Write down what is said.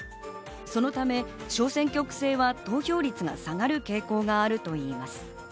そのため小選挙区制は投票率が下がる傾向があるといいます。